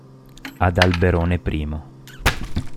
Adalberone I